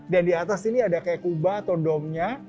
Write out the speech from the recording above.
dan di atas ini ada kayak kubah atau domnya